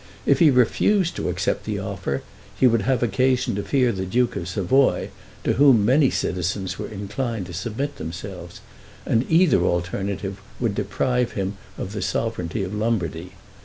If he refused to accept the offer, he would have occasion to fear the duke of Savoy, to whom many citizens were inclined to submit themselves; and either alternative would deprive him of the sovereignty of Lombardy.